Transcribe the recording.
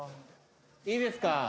いいですか？